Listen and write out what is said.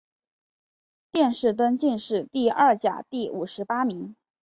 殿试登进士第二甲第五十八名。